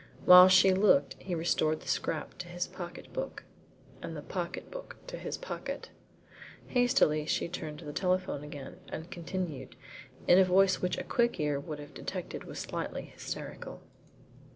While she looked he restored the scrap to his pocket book, and the pocket book to his pocket. Hastily she turned to the telephone again and continued, in a voice which a quick ear would have detected was slightly hysterical.